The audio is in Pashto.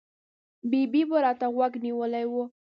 ببۍ به را ته غوږ نیولی و.